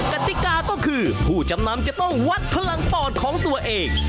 กติกาก็คือผู้จำนำจะต้องวัดพลังปอดของตัวเอง